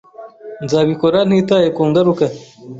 Nzabikora ntitaye ku ngaruka